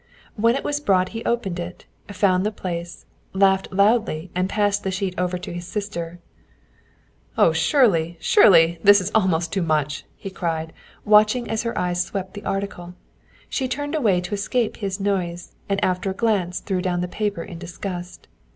When it was brought he opened it, found the place, laughed loudly, and passed the sheet over to his sister. "Oh, Shirley, Shirley! This is almost too much!" he cried, watching her as her eyes swept the article. She turned away to escape his noise, and after a glance threw down the paper in disgust.